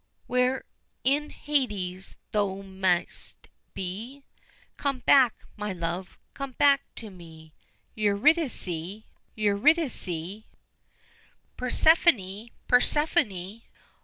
Where'er in Hades thou may'st be Come back! my love! come back to me, Eurydice! Eurydice! Persephone! Persephone!